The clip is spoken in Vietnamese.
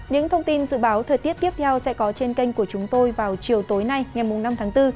những thông tin dự báo thời tiết tiếp theo sẽ có trên kênh của chúng tôi vào chiều tối nay ngày năm tháng bốn